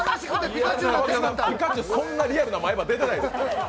ピカチュウ、そんなリアルな前歯出てないです。